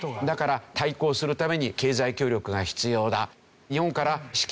だから対抗するために経済協力が必要だ。